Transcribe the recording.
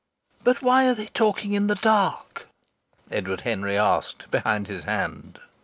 "But why are they talking in the dark?" Edward Henry asked behind his hand.